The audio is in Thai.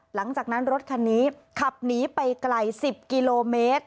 หลังจากนั้นรถคันนี้ขับหนีไปไกล๑๐กิโลเมตร